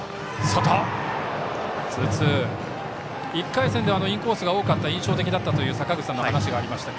１回戦ではインコースが多かった印象的だったという坂口さんの話がありました。